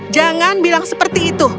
jangan bilang seperti itu